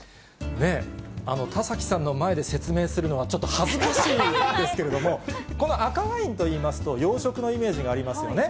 田崎さんの前で説明するのは、ちょっと恥ずかしいんですけれども、この赤ワインといいますと、洋食のイメージがありますよね。